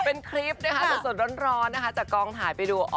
เป็นคลิปด้านสดร้อนจากกองถ่ายไปดู